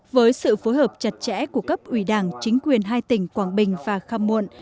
với sự phối hợp chặt chẽ của cấp ủy đảng chính quyền hai tỉnh quảng bình và khăm muộn